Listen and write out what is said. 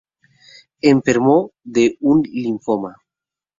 Enfermó de un linfoma.